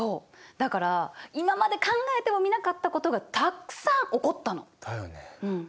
だから今まで考えてもみなかったことがたくさん起こったの。だよね。